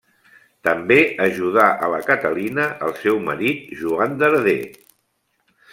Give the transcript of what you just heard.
També ajudà a la Catalina el seu marit Joan Darder.